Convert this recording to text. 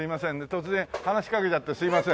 突然話しかけちゃってすみません。